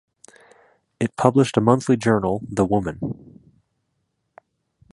It published a monthly journal "The Woman".